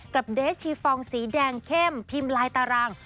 เดชชีฟองสีแดงเข้มพิมพ์ลายตาราง